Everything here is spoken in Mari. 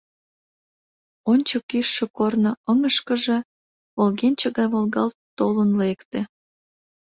Ончык ӱжшӧ корно ыҥышкыже волгенче гай волгалт толын лекте.